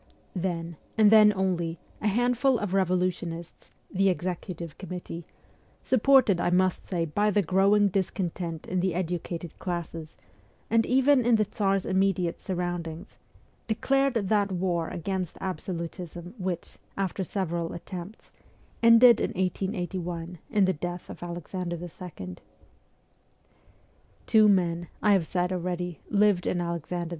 Then, and then only, a handful of revolutionists the Executive Committee supported I must say, by the growing discontent in the educated classes, and even in the Tsar's immediate surroundings, declared that war against absolutism which, after several attempts, ended in 1881 in the death of Alexander II. Two men, I have said already, lived in Alexander II.